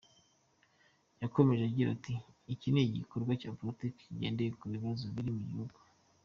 Yakomeje agira ati ‘‘Iki ni igikorwa cya politiki kigendeye ku bibazo biri mu gihugu.